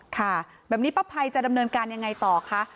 ค่ะแบบนี้ป้าภัยจะดำเนินการยังไงต่อคะ